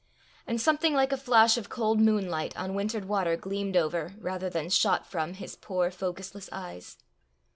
And something like a flash of cold moonlight on wintred water gleamed over, rather than shot from, his poor focusless eyes.